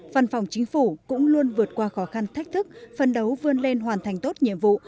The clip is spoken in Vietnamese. văn phòng chính phủ cũng luôn vượt qua khó khăn thách thức phân đấu vươn lên hoàn thành tốt nhiệm vụ